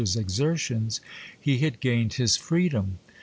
's exertions, he had gained his freedom.